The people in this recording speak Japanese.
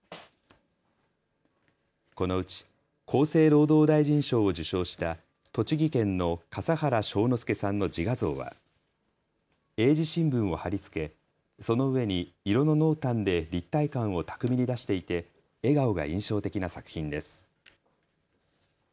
このうち厚生労働大臣賞を受賞した栃木県の笠原昌之佑さんの自画像は英字新聞を貼り付け、その上に色の濃淡で立体感を巧みに出していて笑顔が印象的な作品です。